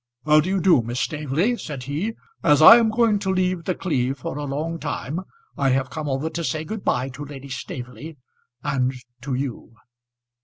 "How do you do, Miss Staveley?" said he. "As I am going to leave The Cleeve for a long time, I have come over to say good bye to Lady Staveley and to you."